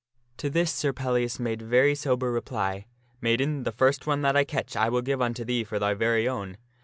To this Sir Pellias made very sober reply, " Maiden, the first one that I catch I will give unto thee for thy very own.